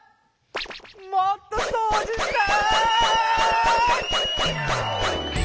もっとそうじしたい！